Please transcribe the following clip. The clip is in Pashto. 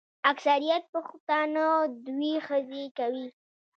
اکثریت پښتانه دوې ښځي کوي.